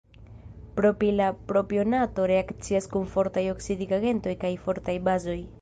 Propila propionato reakcias kun fortaj oksidigagentoj kaj fortaj bazoj.